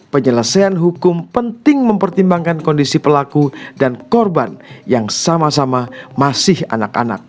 penyelesaian hukum penting mempertimbangkan kondisi pelaku dan korban yang sama sama masih anak anak